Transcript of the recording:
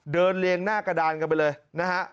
เรียงหน้ากระดานกันไปเลยนะฮะ